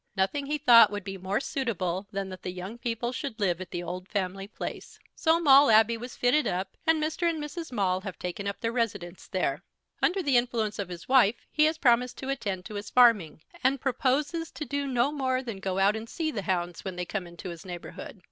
Nothing he thought would be more suitable than that the young people should live at the old family place. So Maule Abbey was fitted up, and Mr. and Mrs. Maule have taken up their residence there. Under the influence of his wife he has promised to attend to his farming, and proposes to do no more than go out and see the hounds when they come into his neighbourhood.